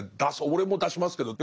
俺も出しますけど。